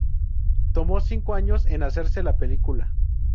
Tomó cinco años en hacerse la película.